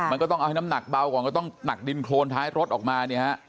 มันก็ต้องเอาให้น้ำหนักเบาก่อนก็ต้องหนักดินโครนท้ายรถออกมาเนี่ยฮะ